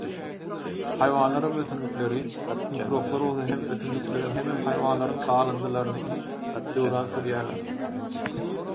haýwanlaram ösümlikleri, mikroplar bolsa hem ösümlikleriň hemem haýwanlaryň galyndylaryny iýip döwran sürýärler.